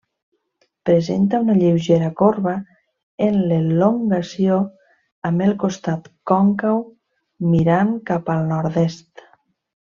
Presenta una lleugera corba en l'elongació, amb el costat còncau mirant cap al nord-est.